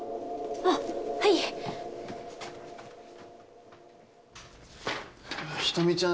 あっはい人見ちゃん